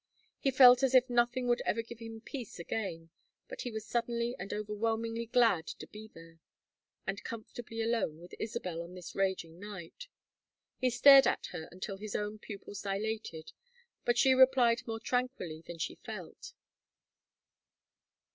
He felt as if nothing would ever give him peace again, but he was suddenly and overwhelmingly glad to be there and comfortably alone with Isabel on this raging night. He stared at her until his own pupils dilated, but she replied more tranquilly than she felt.